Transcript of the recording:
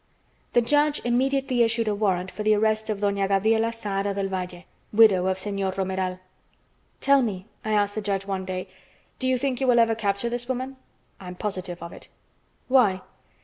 The judge immediately issued a warrant for the arrest of Doña Gabriela Zahara del Valle, widow of Señor Romeral. "Tell me," I asked the judge one day, "do you think you will ever capture this woman?" "I'm positive of it." "Why?"